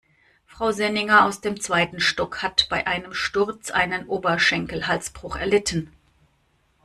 Frau Senninger aus dem zweiten Stock hat bei einem Sturz einen Oberschenkelhalsbruch erlitten.